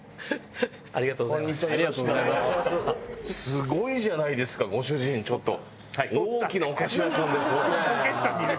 すごいじゃないですかご主人ちょっと。